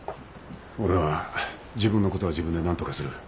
俺は自分のことは自分で何とかする。